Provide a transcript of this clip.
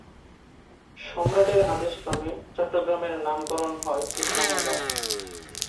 সম্রাটের আদেশক্রমে চট্টগ্রামের নামকরণ হয় ইসলামাবাদ।